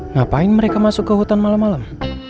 ngapain mereka masuk ke hutan malem malem